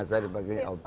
saya dipanggilnya omi